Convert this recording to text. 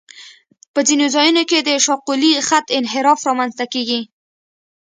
په ځینو ځایونو کې د شاقولي خط انحراف رامنځته کیږي